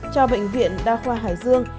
cho bệnh viện đa khoa hải dương